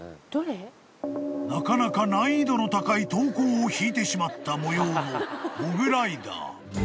［なかなか難易度の高い投稿を引いてしまったもようのモグライダー］